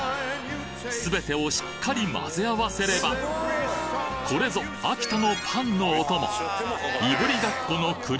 全てをしっかり混ぜ合わせればこれぞ秋田のパンのお供！